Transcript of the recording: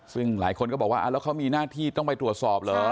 ซึ่งหลายคนก็บอกว่าแล้วเขามีหน้าที่ต้องไปตรวจสอบเหรอ